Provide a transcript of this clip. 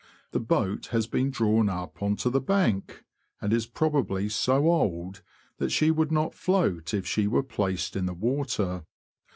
The boat has been drawn up on to the bank, and is probably so old that she would not float if she were placed in the water.